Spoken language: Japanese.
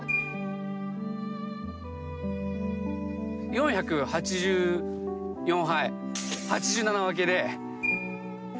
４８４敗８７分けで。